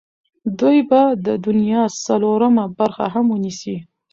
دوی به د دنیا څلورمه برخه هم ونیسي.